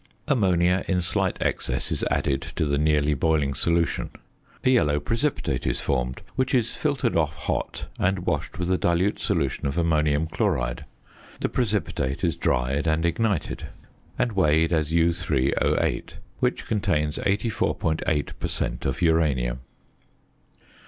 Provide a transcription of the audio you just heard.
Ammonia in slight excess is added to the nearly boiling solution. A yellow precipitate is formed, which is filtered off hot and washed with a dilute solution of ammonium chloride. The precipitate is dried and ignited; and weighed as U_O_, which contains 84.8 per cent. of uranium.